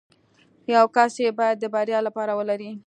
يو کس يې بايد د بريا لپاره ولري.